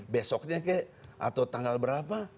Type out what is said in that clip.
besoknya kek atau tanggal berapa